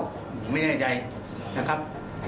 ผมไม่แน่ใจนะครับ